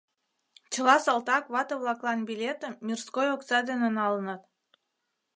Чыла салтак вате-влаклан билетым мирской окса дене налыныт.